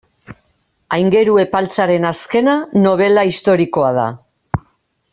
Aingeru Epaltzaren azkena, nobela historikoa da.